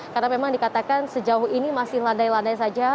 karena memang dikatakan sejauh ini masih landai landai saja